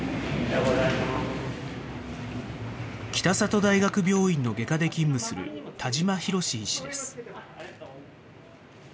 北里大学病院の外科で勤務する田島弘医師です。